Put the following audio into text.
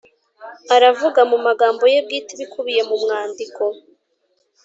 aravuga mu magambo ye bwite ibikubiye mu mwandiko